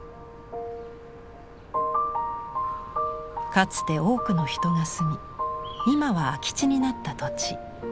かつて多くの人が住み今は空き地になった土地。